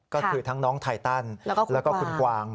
ก็คือทั้งน้องไทตันแล้วก็คุณกวาง